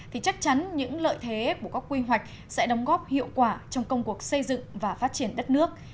thì chắc chắn những lợi thế của các quy hoạch sẽ đóng góp hiệu quả trong công cuộc xây dựng và phát triển đất nước